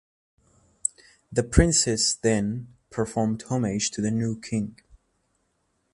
The princes then performed homage to the new king.